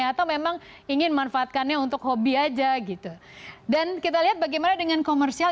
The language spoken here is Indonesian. atau memang ingin manfaatkannya untuk hobi aja gitu dan kita lihat bagaimana dengan komersial